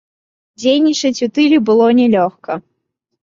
Дзейнічаць у тыле была нялёгка.